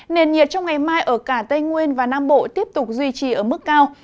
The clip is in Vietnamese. nền nhiệt trong ngày mai ở cả tây nguyên và nam bộ tiếp tục duy trì ở mức cao